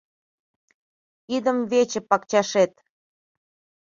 Идымвече пакчашет